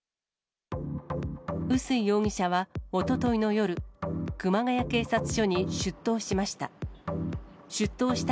碓氷容疑者はおとといの夜、熊谷警察署に出頭しました。